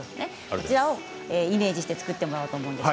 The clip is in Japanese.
こちらをイメージして作ってもらおうと思います。